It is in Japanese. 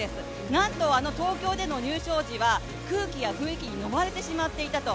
なんと東京での入賞時は空気や雰囲気に飲まれてしまっていたと。